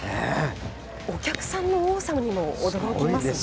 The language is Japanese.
お客さんの多さにも驚きますよね。